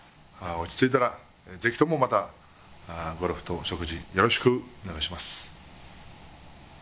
落ち着いたら、ぜひともまたゴルフと食事、よろしくお願いします。